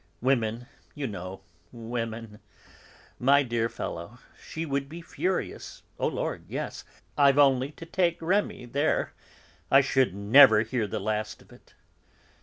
Women, you know, women. My dear fellow, she would be furious. Oh, lord, yes; I've only to take Rémi there; I should never hear the last of it!"